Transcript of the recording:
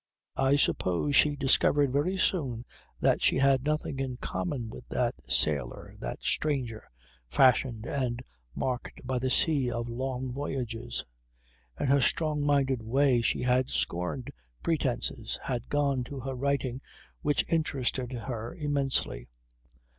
I suppose she discovered very soon that she had nothing in common with that sailor, that stranger, fashioned and marked by the sea of long voyages. In her strong minded way she had scorned pretences, had gone to her writing which interested her immensely.